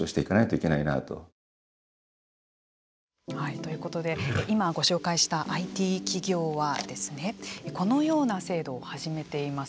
ということで今ご紹介したＩＴ企業はこのような制度を始めています。